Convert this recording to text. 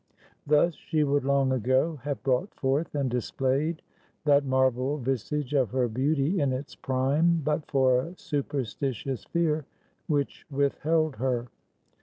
Thus, she would long ago have brought forth and displayed that marble visage of her beauty in its prime, but for a superstitious fear which withheld her.